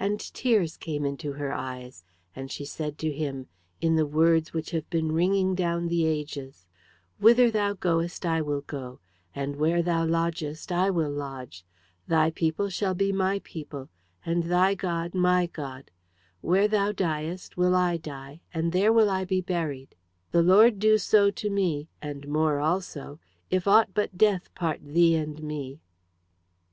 And tears came into her eyes. And she said to him, in the words which have been ringing down the ages "Whither thou goest, I will go; and where thou lodgest, I will lodge; thy people shall be my people, and thy God, my God; where thou diest, will I die, and there will I be buried; the Lord do so to me, and more also, if aught but death part thee and me!"